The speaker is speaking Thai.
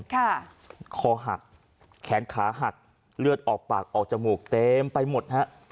คอหักแขนขาหักเลือดออกปากออกจมูกเต็มไปหมดฮะ